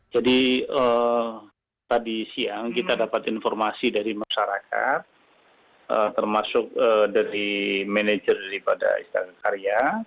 jadi tadi siang kita dapat informasi dari masyarakat termasuk dari manajer dari pt istaka karya